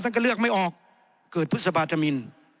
ก็เลือกไม่ออกเกิดพฤษภาธมิน